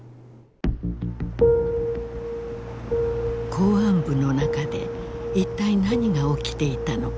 公安部の中で一体何が起きていたのか。